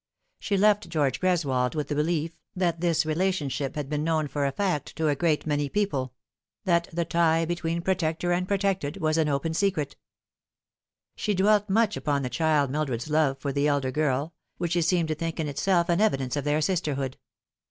She left George Greswold with the belief that this relationship had been known for a fact to a great many people that the tie between protector and protected was an open secret. 150 The Fatal Three. She dwelt much upon the child Mildred's love for the elder girl, which she seemed to think in itself an evidence of their sisterhood.